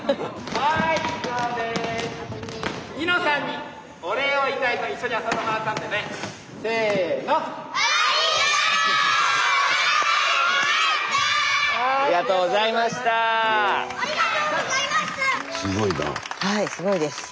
はいすごいです。